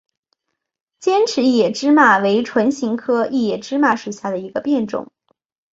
尖齿异野芝麻为唇形科异野芝麻属下的一个变种。